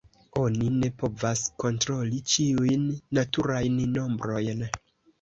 Oni ne povas kontroli ĉiujn naturajn nombrojn.